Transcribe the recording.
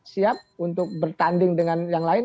siap untuk bertanding dengan yang lain